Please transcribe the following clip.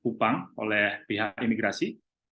kupang oleh pihak imigrasi